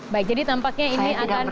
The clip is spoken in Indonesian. baik jadi tampaknya ini akan